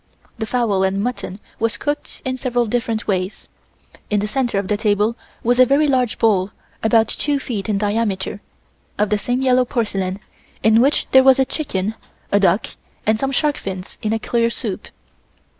The fowl and mutton was cooked in several different ways. In the center of the table was a very large bowl about two feet in diameter of the same yellow porcelain, in which there was a chicken, a duck and some shark fins in a clear soup.